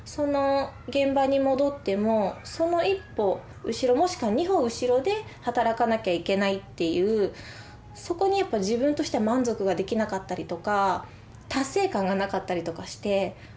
現場に戻ってもその一歩後ろもしくは二歩後ろで働かなきゃいけないっていうそこにやっぱ自分としては満足ができなかったりとか達成感がなかったりとかして。